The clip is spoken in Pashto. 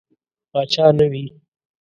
پاچا نه وي.